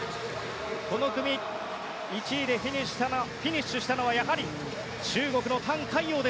この組１位でフィニッシュは中国のタン・カイヨウ。